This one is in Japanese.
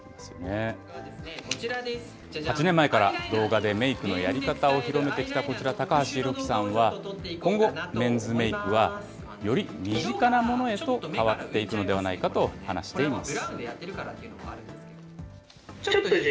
８年前から動画でメークのやり方を広めてきた、こちら、高橋弘樹さんは、今後、メンズメークは、より身近なものへと変わっていくのではないかと話しています。